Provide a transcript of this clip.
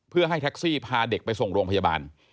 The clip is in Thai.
เพื่อให้แท็กซี่พาเด็กไปส่งโรงพยาบาล